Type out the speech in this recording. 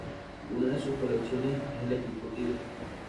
Una de sus colecciones es El equipo tigre.